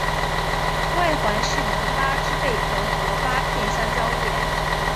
外环饰以八只贝壳和八片香蕉叶。